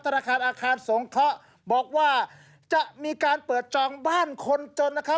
ธนาคารอาคารสงเคราะห์บอกว่าจะมีการเปิดจองบ้านคนจนนะครับ